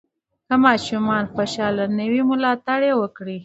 که ماشوم خوشحاله نه وي، ملاتړ یې وکړئ.